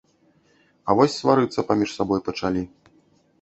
А вось сварыцца паміж сабою пачалі.